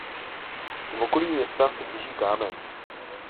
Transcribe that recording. V okolí města se těží kámen.